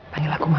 panggil aku mama